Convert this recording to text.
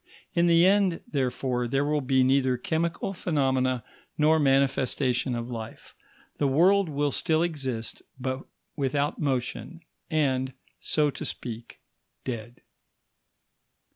In the end, therefore, there will be neither chemical phenomena nor manifestation of life; the world will still exist, but without motion, and, so to speak, dead.